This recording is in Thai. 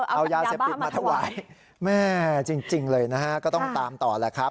เอายาเสพติดมาถวายแม่จริงเลยนะฮะก็ต้องตามต่อแหละครับ